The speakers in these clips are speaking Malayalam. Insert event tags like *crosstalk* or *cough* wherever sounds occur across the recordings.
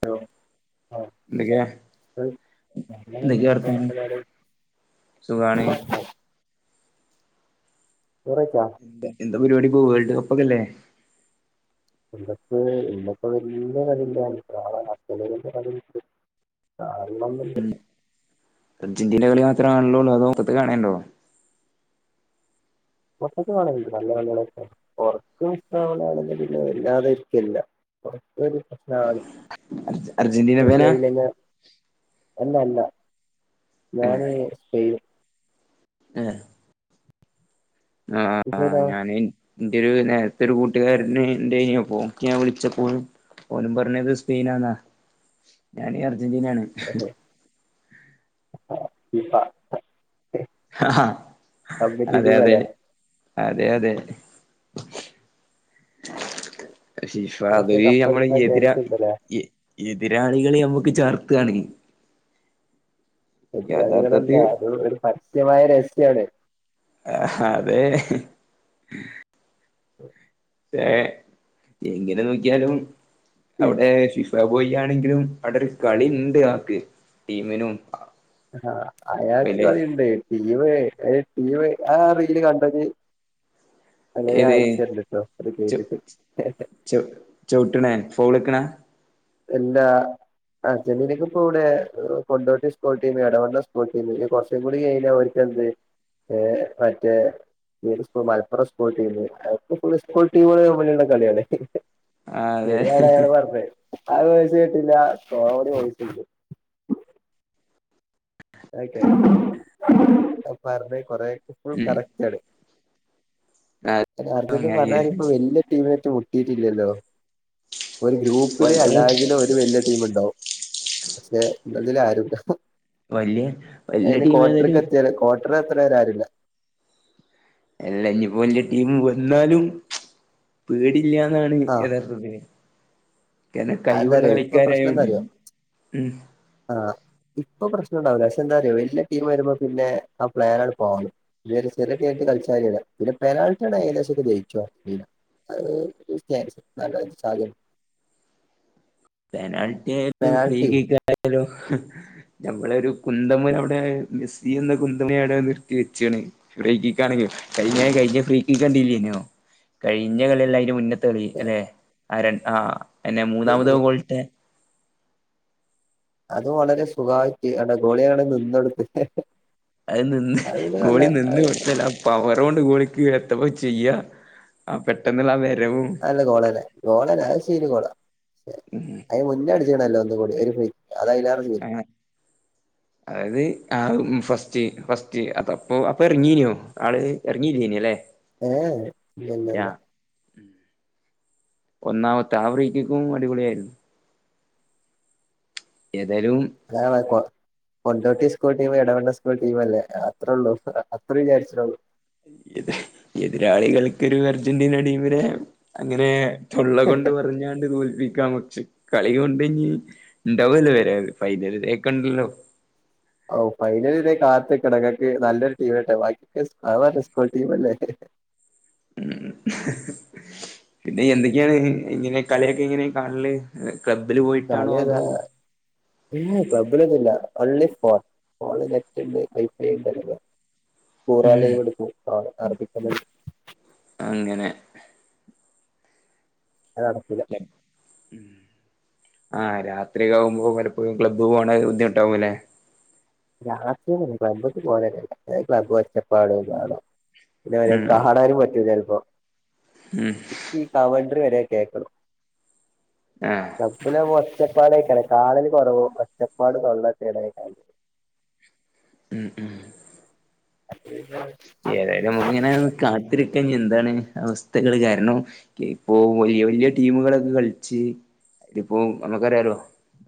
അലോ ആ എന്തൊക്കെയാ ന്താപ്പാട് സുഖണ് ചോറയ് ചോ എന്താ പരിപാടി ഇപ്പോ വേൾഡ് കപ്പ് ഒക്കെല്ലേ. ഇന്നപ്പോ ഇന്നപ്പോ വല്യ കളിയിന്റെനാളെ അർജന്റിന്റെ കളിണ്ട്‌ ആ അയ്ന്നുല്ല അർജന്റീന കളിമാത്ര ണോ അതൊ മൊത്തത്തിൽ കാണല്ണ്ടോ. മൊത്തത്തിൽ കാണലിണ്ട് നല്ലകളികളൊക്കെ ഒറക്ക് മിസ ക ആണെങ്കിൽ പിന്നെ വല്ലാതെരിക്കിലില്ല. ഒക്കൊര് പ്രശ്നാണ്. അർജന്റീന റടി ഫാനാ ആയില്ല ല ഞാനെ സ്പെയ്ൻ ഏഹ്. ആഹ് ആഹ് ഇജ്ജേതാ? ഞാന് ഇന്റെയൊരു നേരത്തെ ഒരു കൂട്ടുകാരന് ഇണ്ടേന്യു അപ്പൊ ഓൻക്ക് ഞാൻ വിളിച്ചപ്പോ. ഓനും പറഞ്ഞത് സ്പെയിനാന്നാ ഞാൻ അർജന്റീനയാണ്. ആഇ ഹ ഹഹ അതെ ടീം അതെ. അല്ലേ അതെയതെ. ഫിഫ അത് പക്ഷെ ഞമ്മള് കപ്പടിക്കാൻ എതിരാ ചാൻസ് ഉണ്ടല്ലേ എ എതിരാളികളേം നമ്മുക്ക് ചർത്താണ് എതിരാളികൽ ആരും യഥാർത്ഥത്തിൽ അത് ഒരു പരസമായരഹസ്യാണ്. ആഹാ അതെ. ഒ ഏഹ് എങ്ങനെനോക്കിയാലും ഈ അവിടെ ഫിഫ് പോയി ആണെങ്കിലും അവിടെ ഒരു കളി ഇണ്ട് ആൾക്ക് ടീമിനും. ആ അയാക്ക് പിന്നെ കളിണ്ട് ടീമ് എ ടീമ് ആ റീയിൽ കണ്ടജി. അലേൽ ഞാൻ ഇത് അയ ച്ച് തരണ്ട്ട്ടോ അത് കയിഞ്ഞിട്ട്. ച്ചൊ ചൊവ്ട്ടെണെ ഫൗൾക്കണേ എല്ലാ അർജന്റീനക്ക് ഇപ്പോ ഇവിടെ Kondotty school team Edavanna school team ഇനികൊറ റച്ചുംകൂടികയ്ഞ്ഞ ഓർക്കെന്ത്‌ ഏ മറ്റേ മലപ്പുറം സ്ക്കൂൾ ടീം അതിപ്പോ സ്ക്കൂൾ ടീം തമ്മിൽള്ള കളിയാണ്. ആ അതെ ശരിയാണ് അയാള് പറഞ്ഞേ ആ വോയിസ് കെട്ടില്ല കോമടി വോയിസ്‌ണ്ട്‌ തൊക്കെ പറഞ്ഞ കൊറെക്കെ ഫുൾ ഉം കറക്റ്റാണ്. അർജൻ അങ്ങായി റ്റീംപറഞാരി ഇപ്പ വല്യാ ടീമായിട്ട് *unintelligible* ഒര് ഗ്രൂപ്പില് വല്ല അല്ലാ *unintelligible* വല്യ ടീമിണ്ടാവും പക്ഷെ ഇവരതിൽ ആരുണ്ടാകും വല്യേ.. അയിന് ക്വാട്ടർക്ക് എത്തിയാല് കൊട്രർ എത്ത്ണവരെ ആരുല്ല അലനിപ്പോ വല്യ ടീം വന്നാലും. പേടില്യാന്നാണ് യഥാർത്ഥത്തില് കാരണം കഴിവുള്ള അയ്ന്താറിയൊ ഇപ്പൊ കളിക്കാരായോണ്ട് പ്രശ്നന്താറിയൊ ഉം ആ ഇപ്പൊ പ്രശ്നംണ്ടാവൂല്ല പക്ഷെ എന്താറിയോ വല്യ ടീം വരുമ്പോ പിന്നെ ആ പ്ലെൻ പാളും ഇവര് ബ്രസീലായിട്ട് കളിച്ചാല പിന്നെ പെനാൾട്ടി ആയെനെശം ഓല് ജയിച്ചും. അഹ്സ പെനാൾട്ടി ആയാലും ഫ്രീ പെനാൾട്ടി കിക്കായാലും. ഞമ്മളൊ ഒരു കുന്തമൻ അവിടെ മെസ്സി എന്ന കുന്തമനെ അവിടെ നിർത്തി വെച്ചിണ്. ഫ്രീകിക്കാണെകിലും കയിഞ്ഞ കയിഞ്ഞ ഫ്രീകിക്കണ്ടീല്യേനൊ കഴിഞ്ഞകളിയല്ല അയ്ന്റെ മുനത്തെ തളി അല്ലെ ആര് ആഹ് എന്നെ മൂന്നാമത് ബോളിട്ടെ അത് വളരെ സുഖായിട്ട് അടെ ഗോളിയങ്ങ് നിന്നൊടുത്ത്. അത് നിന്ന് അത് പിന്നെ നല്ല ഗോളി നിന്ന് കൊടുത്തല്ല. അപ്പ പവരൊണ്ട് ഗോളിക്ക് എത്തപ്പോ ചെയ്യാ ആ പെട്ടെന്നുള്ള ആഹ് വരവും ല്ല ഗോളല്ലേ ഗോളല്ല ശീത് ഗോളാ ഹ്യൂമ് മുന്നേ അടിച്ചേണല്ലോ ഒന്നൂടി അത് അയിലെറങ്ങി ആ അതായത് ആഹ് ഫസ്റ്റ് ഫസ്റ്റ് അതപ്പോ അപ്പൊ ഇറങ്ങീനോ. ആള് ഇറങ്ങിനില്ലേ ഏഹ് ഇല്ലല്ലല്ല ഒന്നാമത്തെ ആഫ്രിക്കക്കും അടിപൊളിയായിരുന്നു ഏതായാലും ക്കാണേ കൊ Kondotty school team Edavanna school team അല്ലേ അത്രേള്ളൂ അത്ര വിചാരിച്ചിള്ളൂ. എതിരാളികൾക്കൊരു അർജന്റീന ടീമിനെ അങ്ങനെ തൊള്ള കൊണ്ട് പറഞ്ഞാണ്ട് തോൽപ്പിക്കാന്ന് പക്ഷെ കളി കൊണ്ടേഞ്ഞി ഇണ്ടാവല്ലോ വരാൻ അവര് ഫൈനൽ ഡേക്കൊണ്ടല്ലോ ഓഹ് ഫൈനല് വരെ കാത്ത്കണം ഇങ്ങക് നല്ലൊരു ടീം ആട്ടെ അത് മറ്റേ സ്കൂൾ ടീം അല്ലേ ഉം പിന്നെ എന്തൊക്കെയാണ് ഇങ്ങനെ കളിയൊക്കെ ഇങ്ങനെ കാണല് ക്ലബ്ബില് പോയി കളിയതാ ക്ലബ്ബിലൊന്നുല്ല ഒൺലി ഫോൺ. ഫോണി നെറ്റിണ്ട് വൈഫൈ ഇണ്ടല്ലപ്പം *unintelligible* ഉം ലൈവ് എടുക്കും *unintelligible* അങ്ങനെ അത് നടക്കൂല്ല. യ ആഹ് രാത്രിക്കിവുമ്പോ പലപ്പോഴും ക്ലബ്ബ് പോകണ ബുദ്ധിമുട്ടാവുല്ലേ. രാത്രി ക്ലബ്ബ് പോവലെനെല്ല ക്ലബ് ഒച്ചപ്പാടും ബഹളോം പിന്നവരെ ഉം കാണാനും പറ്റൂല ചിലപ്പോ. ഉം ഫിഫ എൻട്രി വരെ കേൾക്കണം. ആഹ് *unintelligible* ഒച്ചപ്പാടൊക്കാണ് കാലില് കുറവും ഒച്ചപ്പാട് *unintelligible* ഇടേക്കാല് മ് മ് ഏതായാലും നമുക്കിങ്ങനെ കാത്തിരിക്കാൻ എന്താണ് അവസ്ഥകള് കാരണം. ഇപ്പൊ വലിയ വലിയ ടീമുകളൊക്കെ കളിച്ച് അതിപ്പോ നമ്മുക്കറിയാലോ.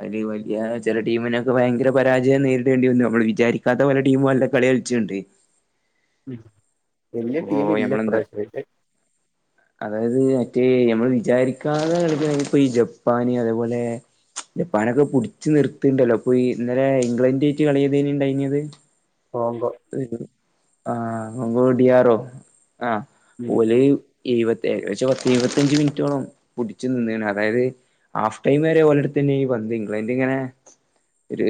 അയില് വലിയ ചില ടീമിനൊക്കെ ഭയങ്കര പരാജയം നേരിടേണ്ടി വന്നു നമ്മൾ വിചാരിക്കാത്ത പല ടീമും അല്ല കളിക ച്ചിണ്ട്. ഉം പോ ഞമ്മളെന്താ അതായത് മറ്റേ ഞമ്മള് വിചാരിക്കാത കളിക്ക ഇപ്പോ ഈ ജപ്പാന് അതേപോലെ ജപ്പാനൊക്കെ പുടിച്ച് നിർത്തിണ്ടല്ലോ അപ്പൊ ഈ ഇന്നലെ ഇംഗ്ലണ്ട് ആയിട്ട് കളി ഏതായ്നിഇണ്ടയ്ന്യത് ഓങ്കോ ആഹ് ഓങ്കോ ഡി ആറോ ആഹ് ഉം ഓല് ഇരുപത്തേഴ് പക്ഷ പത്ത് ഇരുപത്തഞ്ച് മിനിറ്റോളം പുടിച്ചു നിന്നേണ് അതായത് ഹാഫ് ടൈം വരെ ഓലെട്തന്നെ ഈ പന്ത് ഇംഗ്ലണ്ടിങ്ങനെ ഒരു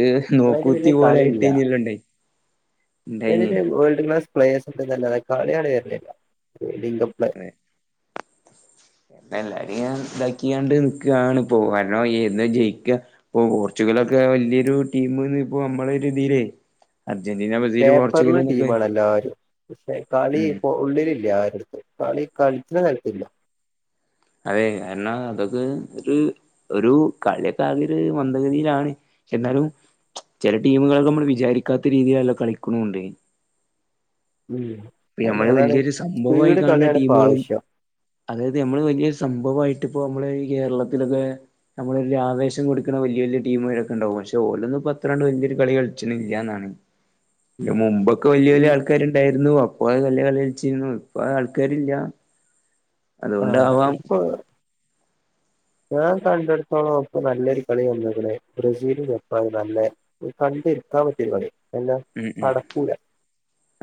അതിന് നോക്കൂത്തി വലിയ പോലൊയിട്ട്ന്നില്ലണ്ടേ വരു വേൾഡ്ക്ലാസ് പ്ലേഴസ്ണ്ട് *unintelligible* കളിയ *unintelligible* അതെ എല്ലാരും ഇങ്ങനെ ഇതാക്കിയാണ്ട് നിക്കുവാണ് ഇപ്പൊ കരണം ഏതാ ജയിക്ക ഇപ്പൊ പോർച്ചുഗലൊക്കെ വലിയൊരു ടീംന്ന് ഇപ്പോ നമ്മളൊരു തിലേ അര്ജന്റീന പേപ്പറിന് ടീമ് ആണ് എല്ലാരും പക്ഷെ കളി ഉം ഇപ്പോ ഉള്ളിലില്ല ആരുടുത്തും കളി കളിക്കണ കാര്യത്തിലില്ല അതെ എന്നാ അതൊക്കെ ഒരു ഒരു കളിയൊക്കെ ആകെ ഒരു മന്ദഗതിയിലാണ് എന്നാലും ചില ടീമുകള് നമ്മള് വിചാരിക്കാത്ത രീതിയിലല്ലോ കളിക്കു ന്നു ണ്ട് ഉം പിന്നെ അയിന് നമ്മള് അതാണ് വല്ല്യോ രു സംഭവാ യി സ്പീഡ് കാണുന്ന കളിയാണ് ഇപ്പോ ടീമുകളും ആവശ്യം അതായത് നമ്മള് വലിയ സംഭവായിട്ട് ഇപ്പോ നമ്മള് ഈ കേരളത്തിലൊക്കെ നമ്മള് വല്യ ആവേശം കൊടുക്കണ വലിയ വലിയ ടീം രൊക്കെണ്ടാവും പക്ഷെ ഓലൊന്നും ഇപ്പം അത്ര കണ്ട് വലിയൊരു കളി കളിച്ചണില്ല എന്നാണ് *inaudible* ഇതിന് മുമ്പൊക്കെ വലിയ വലിയ ആൾക്കാരുണ്ടായിരുന്നു അപ്പൊ അത് നല്ല കളി കളിച്ചിരുന്നു ഇപ്പൊ ആൾക്കാരില്ല ആഹ് അതുകൊണ്ടാവാം ഇപ്പൊ ഞാൻ കണ്ടിടത്തോളം ഇപ്പം നല്ലൊരു കളി വന്നണെക്കണേ ബ്രസീലും ജപ്പാനും നല്ലെ കണ്ടെടുക്കാൻ പറ്റിയൊരു കളിയാണ് ഉം ഉം അടക്കൂല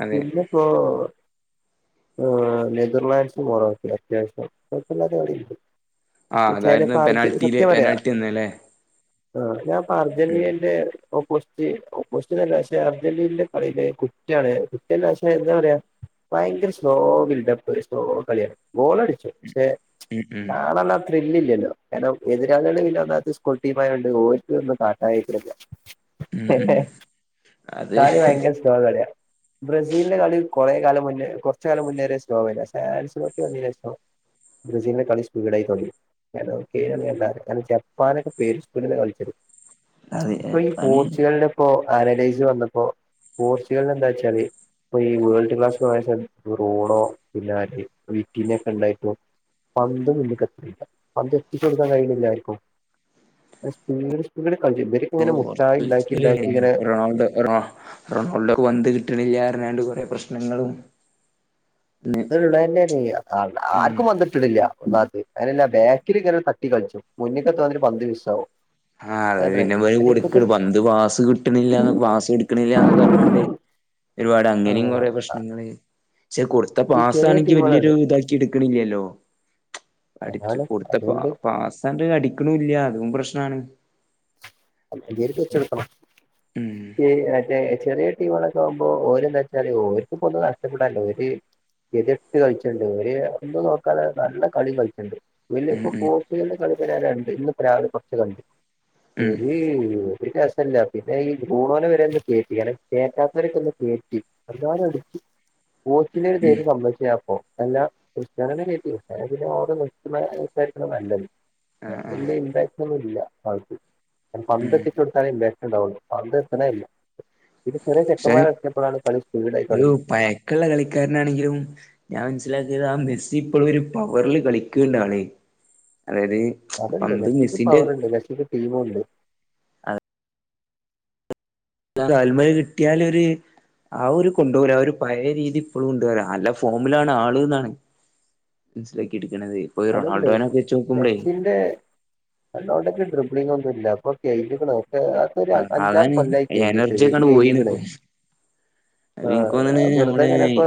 അതെ പിന്നെ ഇപ്പോ ആഹ് നെതർലാൻഡ്സും മോറോക്കെ യാ കൊഴപ്പം ഇല്ലാത്ത കളി ആയിരിക്കും ആ അതായിരുന്നു *unintelligible* അർജൻ പെനാൽറ്റിയിലെ സത്യം പറയാ പെനാൽറ്റി എന്നല്ലേ ആഹ് ഞാൻപ്പൊ ഉം അർജന്റീനന്റെ ഒഓസ്റ്റ ഒസ്റ്റൻല്ല പക്ഷെ അർജന്റീനന്റെ കളിയിലെ *unintelligible* എന്താ പറയാ ഭയങ്കര സ്ലോ ബിൽഡപ്പ് സ്ലോ കളിയാണ് ബോ ളടിച്ചു ക്ഷെ ഉം ഉം കാണ ത്രില്ലില്ലല്ലോ കാരണം എതിരാളി ഒ ള്ള *unintelligible* സ്കൂൾ ടീം ഓറ്റ ഒന്നും കാട്ടാരിക്കില്ല ഉം ഉം അതെ സ്‌ലോ കളിയാണ് ബ്രസീലിന്റെ കളി കുറെ കാലം മുന്നേ കൊറച്ച് കാലം മുന്നേ വരെസ്‌ലോ വരാഞ്ചാൻസ് *unintelligible* *unintelligible* ബ്രസീലിനെ കളി സ്പീഡായി തോന്നി കാരണം ജപ്പാനൊക്കെ *unintelligible* കളിച്ചത് ഇപ്പൊ ഈ അതെ പോർച്ചുഗലിന്റെ ഇപ്പൊ ആരലൈ സ് വന്നപ്പൊ പോർച്ചുഗല് എന്താ വെച്ചാല്ഇപ്പൊ ഈ വേൾഡ് ക്ലാസ് പ്രസ റൂണോ ബിനാലെ വീട്ടിന്ന് ന ക്കെ ണ്ടായിപ്പോ പന്തും നിനക്ക് എത്തില്ല പന്ത് എത്തിച്ച് കൊടുക്കാൻ കഴിയുന്നില്ലാരിക്കും സ്പീഡി സ്പീഡി *unintelligible* ഓ *unintelligible* റൊണാൾഡോ റൊ റൊണാൾഡോക്ക് പന്ത് കിട്ടണില്ലാഞ്ഞാണ്ട് കുറേ പ്രശ്നങ്ങളും ഇന്ന് അത് ഉള്ളത് തന്നെയല്ലേ ഉം ആർക്കും പന്ത് കിട്ടണില്ല ഒന്നാത്ത് അങ്ങനല്ല ബാക്കിൽ ഇങ്ങനൊരു കളിച്ചു *unintelligible* പന്ത് മിസ്സാ വും ആഹ് അതെ പിന്നെ കൊടുക്കല് പന്ത് പാസ് കിട്ടണില്ല പാസ് എടുക്കണില്ലന്നൊക്കെ പറഞ്ഞാണ്ട് ഒരുപാട് ആ അങ്ങനെയും കുറേ പ്രശ്നങ്ങള് പക്ഷെ കൊടുത്ത ഈ ചെറിയ പാസ്സണെങ്കി ടീമുകളാണ് വലിയൊരു ഇത എടുക്കണില്ലല്ലോ അടിച്ചു അതാണ് കൊടുത്ത പ്പൊ ആ അതുകൊണ്ട് പാസ് - അതാണ്ട് അടിക്കാണുമില്ല അതും പ്രശ്നാണ് എരിക്ക് വെച്ചെടുത്തണം *unintelligible* ഉം മറ്റേ ചെറിയ ടീമുകളൊക്കെ ആകുമ്പോ ഓര്ന്ന് വച്ചാല് ഓർക്ക് ഇപ്പൊ ഒന്നും നഷ്ടപ്പെടാനില്ല ഓര് എതിട്ട് കളിച്ചിട്ടുണ്ട് ഓര് ഒന്നും നോക്കാതെ നല്ല കളിയും കളിക്കുണ്ട് ഇന്നി ഉം പ്പൊ ഉം പോർച്ചുകളുടെ കളി കണ്ട് ഇന്ന് ഇപ്പൊ രാവിലെ കുറച്ച് കണ്ട് ഉം ഓര് ഒരു രസമില്ല പിന്നെ ഈ ഫൂ ണോ ണെ വരെ ഒന്ന് കേറ്റി *unintelligible* കേറ്റാത്തരെയൊക്ക ഒന്ന് കേറ്റി *unintelligible* പോർച്ചുഗിൽ ഉം വരുന്ന് പറഞ്ഞപ്പൊ അല്ല *unintelligible* നിർത്തണം അ തായിരിക്കും നല്ലത് ആഹ് ആഹ് ല്ലേ ഇപ്പൊ ന്നുഇ ല്ല പന്ത് ഉം ഒക്കെ ഇട്ടു കൊടുത്താലെ *unintelligible* ഉണ്ടാവുന്നു പന്ത എത്തണേ ഇല്ല ഇത് ചെറിയ പക്ഷെ ചെക്കന്മാര് എത്തിയപ്പഴാണ് കളി സ്പീഡായി തുടങ്ങിയ ള്ള കളിക്കാരൻ ആണെങ്കിലും ഞാൻ മനസ്സിലാക്കിയത് ആ മെസ്സി ഇപ്പോഴും ഒരു പവറിൽ കളിക്കും ണ്ടാ ണ് അതായത് അത്ണ്ട് പന്ത് മെസ്സിക്ക് മെസ്സിന്റെ പവർ ഉണ്ട് മെസ്സിക്ക് ടീമും ഒ ണ്ട് കാൽമേൽ കിട്ടിയാലൊരു അ ഓര്കൊണ്ടവൂല ആ ഒരു പഴയ രീതി ഇപ്പോളും ഇണ്ട് റയാ നല്ല ഫോമിലാണ് ആള്ന്നാണ് മനസിലക്കി ഇടുക്കണുന്നത് ഇപ്പൊ ഈ റോണാഡോനെ ഒകെ വെച്ച് നോക്കുമ്പളെ അതെ റൊണാൾഡോക്ക് ഡ്രിപിളിങ് ഒന്നും ഇല്ല അപ്പൊ കഴിഞ്ഞക്കണ് ഇപ്പൊ ഒരു അഞ്ചാറ് അതാണ് കൊല്ലായി കഴിഞ്ഞിട്ട് എനർജി വെടി ഒക്കെണ്ട് പോയിണ് കയിഞ്ഞ്ക്ക്‌ണ്. ഇപ്പൊ അത് ഇൻക്ക് തോന്ന്ണ് ആഹ വെറുതെ നമ്മള് ഇങ്ങനെ ഇപ്പൊ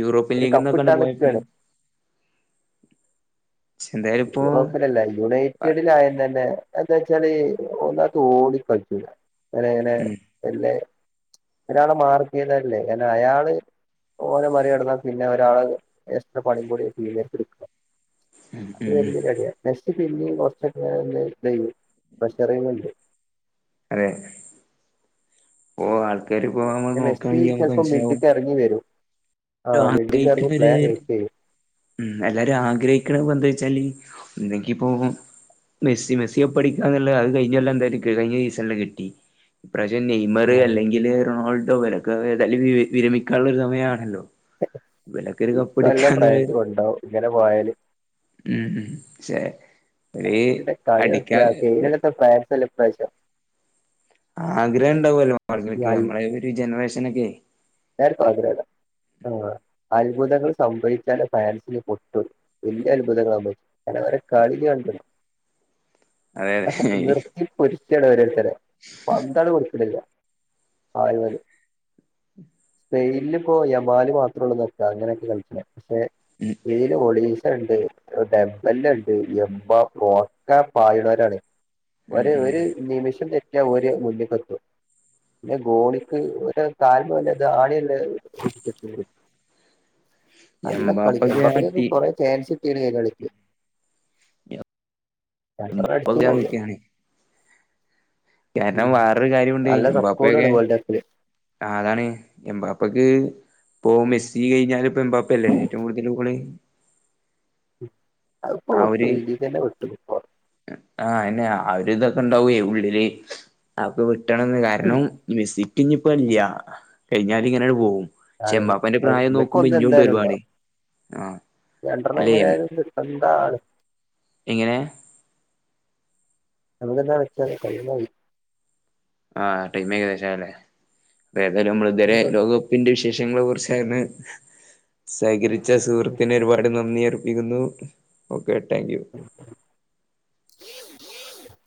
യൂറോപ്യൻ ഒരു ലീഗ്ന്നൊക്കെണ്ട് കപ്പ്ട്ടാൻ പോയപ്പളെ നിക്കാണ് എന്തായാലും ഇപ്പോ യൂറോപ്പിലല്ല യുണൈറ്റ് കുറ്റടിയലും തന്നെ എന്താ വച്ചാല് ഒന്നാമതത്ത് ഓടികളിച്ചൂല. അനങ്ങനെ ഉം അല്ലെ ഒരാളെ മാർക്ക് ചെയ്തല്ലേ അയാള് ഓലെ മറി കടന്ന പിന്നെ ഒരാള് എക്സ്ട്രാ പണിയും കൂടി ടീം ഏറ്റ് എടുക്കും ഉം ഉം വലിയ ഒരു അടിയ നെക്സ്റ്റ് പിന്നെയും കുറച്ചക്കെ ഇങ്ങനെ ന്തേയ്യും പ്രഷറിങ്ണ്ട് അതെ ഒ ആൾക്കാര്പ്പോ നമ്മൾ പിന്നെ മെസ്സി നോക്കായാണെങ്കിൽ നമുക്ക് ചിലപ്പോ മനസ്സിലാവും മിഡ്ക്ക് ഇറങ്ങി വരും ആ മിഡ്ക്ക് ഇറങ്ങി ആഗ്രഹിക്കുന്നഒരു പ്ലെയർ വെയിറ്റ് ചെയ്യും ഉം എല്ലാരും ആഗ്രഹിക്കണ എന്താ വെച്ചാല് ഒന്നെങ്കിപ്പോ മെസ്സി മെസ്സി കപ്പ് അടിക്കാന്ന്ള്ള അത് കഴിഞ്ഞൊല്ലാം എന്തായാലും കഴിഞ്ഞ സീസണില് കിട്ടി ഇപ്രാവശ്യം നെയ്മർ, അല്ലെങ്കില് റൊണാൾഡോ, ഇവരൊക്കെ ഏതായാലും വിരമിക്കാനുള്ള ഒരു സമയമാണല്ലോ? ഇവൽഒകെ ഒരു കപ്പ് ഇക്കൊല്ലം എടുക്കാന്ന് വി ഫ്രാൻസ് കൊണ്ടോവും ഇങ്ങനെ പോയാല് ഉം ഉം ചെ ഫ്രാൻസിന്റെ കളി നോക്കിയ കഴിഞ്ഞകൊല്ലത്തെ ഫാൻസല്ല ഇപ്രാവശ്യം ആഗ്രഹം ഉണ്ടാവുമല്ലോ ആക്ക് നമ്മളെ ഒരു ജനറേഷനൊക്കെ. എല്ലാർക്കും ആഗ്രഹണ്ട് അത്ഭുതങ്ങൾ സംഭവിച്ചാലെ ഫ്രാൻസിന് പൊട്ടു വലിയ അത്ഭുതങ്ങളാണ് ഒലെ കളി കണ്ട്ണോയ്യ് *unintelligible* അതെ അതെ നിർത്തി പൊരിക്കാണ് ഓരോര്ത്തേരെ കൊട്ക്ക്‌ണില്ല *unintelligible* സ്പെയിനില് ഇപ്പോ യമാല് മാത്രം ഉള്ളൂ നിക്ക അങ്ങനെയൊക്കെ കളിക്കിണെ പക്ഷെ ഉം ഇൽ ഒളീസ ഉണ്ട് ഡംൽ ഉണ്ട് എപാ ഒകെ പായുന്നൊർ ആണ് ഉം ഒരു ഉം ഒരു നിമിഷം തെ റ്റിയ ഓര് മുന്നിക്കെത്തും പിന്നെ ഗോണിക്ക് ഒരു കാൽമേൽ ആണില്ലള്ള ഇരുന്നതിൽ നല്ല കളിക്കും എംമ്പാപ്പൊക്കെ ആ എംമ്പാപ്പക്ക്‌ ഒക്കെ ടീ കൊറേ ചാൻസ് കിട്ടീന്ന് ഈ കളിക്ക് രണ്ട്ണം അടിച്ചുന്നേ എംമ്പാപ്പ ഒള്ളു നിക്കാണ് കാരണം വേറൊരു കാര്യമുണ്ട് നല്ല എമ്പാപ്പയൊക്കെ. റെക്കോർഡാണ് വേൾഡ് കപ്പില് ആ അതാണ് എംപാപ്പക്ക് ഇ പോ മെസ്സി കഴിഞ്ഞാൽ ഇപ്പ എമ്പാപ്പയല്ലേ ഏറ്റവും കൂടു *unintelligible* അത്ഇപ്പൊ പൊട്ടും ഇതിൽ തന്നെ പൊട്ടും ആഹ അന്നെ അ ഒരു ഇതൊക്കെ ഇണ്ടാവേ ഉള്ളില് അപ്പോ കിട്ടണം കാരണം മേസിക്ക് ഇഞ്ഇപ്പോ ഇല്ല്യ കഴിഞ്ഞാല് ഇങ്ങനെപോവും ആണ് എംമ്പാപ്പന്റെ പ്രായം നോക്കുമ്പോ ഇവക്കൊന്ന് ഇഞ്ഞൊണ്ട് എന്തായാലും ഒരുപാട് ഉണ്ടാവും ആ അല്ലേ എന്താണ് എങ്ങനെ നമ്മക്ക് ന്നാ വെച്ചാലോ ടൈം ആയി ആ ടൈം ഏകദേശയില്ലേ അപ്പ ഏതായാലും നമ്മൾ ഇതുവരെ കഴിയുന്ന ലോക ക കപ്പിന്റെ വിശേഷങ്ങളെ കുറിച്ചായിരുന്നു സഹകരിച്ച സുഹൃത്തിന് ഒരുപാട് നന്ദി ഏർ ബിക്കുന്നു ഓക്കെ താങ്ക് യൂ *unintelligible*